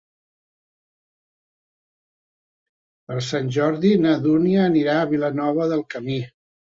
Per Sant Jordi na Dúnia anirà a Vilanova del Camí.